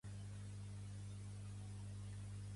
El primer grup a tocar al London Arena va ser Duran Duran.